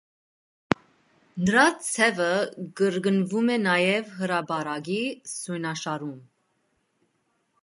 Նրա ձևը կրկնվում է նաև հրապարակի սյունաշարում։